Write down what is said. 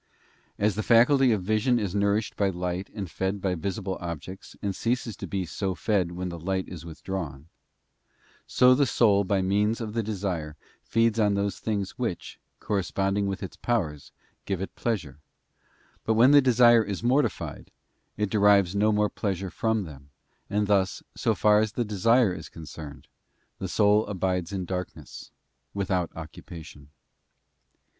As the faculty of vision is nourished by light and fed by visible objects, and ceases to be so fed when the light is withdrawn, so the soul by means of the desire feeds on those things which, correspond ing with its powers, give it pleasure; but when the desire I. The night of privation. BOOK z 12 _ THE ASCENT OF MOUNT CARMEL. is mortified, it derives no more pleasure from them, and thus, so far as the desire is concerned, the soul abides in darkness, without occupation.